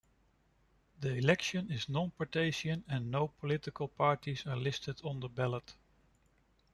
The election is non-partisan and no political parties are listed on the ballot.